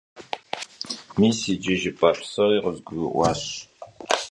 Mis yicı vue jjıp'a psori khızgurı'uaş.